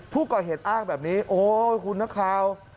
ผู้ก่อเหตุอ้างแบบนี้โอ้ยคุณนักข่าว